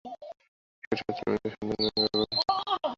শূর শত্রৌ বিনীত স্যাৎ বান্ধবে গুরুসন্নিধৌ।